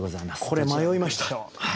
これ迷いましたよ。